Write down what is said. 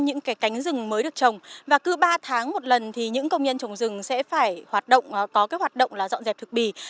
những người trồng rừng làm việc gì cũng đều phải dựa vào con nước